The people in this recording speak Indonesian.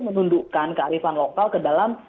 menundukkan kearifan lokal ke dalam